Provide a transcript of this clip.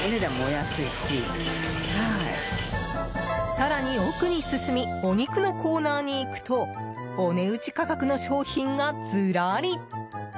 更に、奥に進みお肉のコーナーに行くとお値打ち価格の商品がずらり！